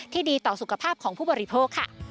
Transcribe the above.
ที่ดีต่อสุขภาพของผู้บริโภค